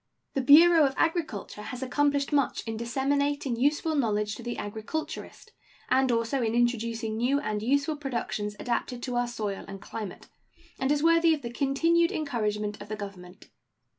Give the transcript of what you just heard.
The Bureau of Agriculture has accomplished much in disseminating useful knowledge to the agriculturist, and also in introducing new and useful productions adapted to our soil and climate, and is worthy of the continued encouragement of the Government.